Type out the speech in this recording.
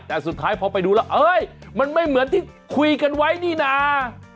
แต่สุดท้ายพอไปดูแล้วเอ้ยมันไม่เหมือนที่คุยกันไว้นี่นะ